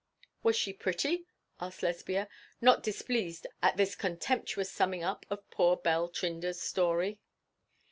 'Was she pretty?' asked Lesbia, not displeased at this contemptuous summing up of poor Belle Trinder's story.